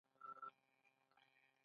کلسیم هډوکو ته څه ګټه رسوي؟